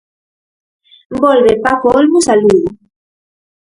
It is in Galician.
Volve Paco Olmos a Lugo.